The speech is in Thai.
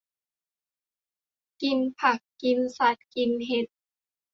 กินผัก กินสัตว์ กินเห็ด